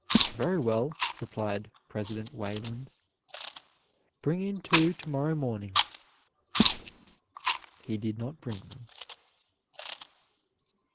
"Very well," replied President Wayland, "bring in two to morrow morning." He did not bring them.